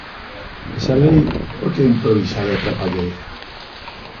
Esa lei, ¿por que é improvisada e trapalleira?